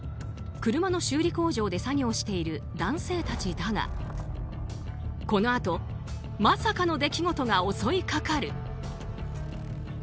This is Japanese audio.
車の修理工場で作業している男性たちだがこのあと、まさかの出来事が襲いかかる。